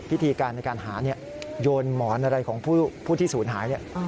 พิธีการในการหาโยนหมอนอะไรของผู้ที่ศูนย์หาย